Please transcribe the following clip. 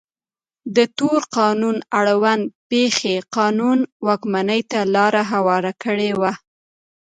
د تور قانون اړوند پېښې قانون واکمنۍ ته لار هواره کړې وه.